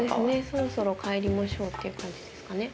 そろそろ帰りましょうっていう感じですかね。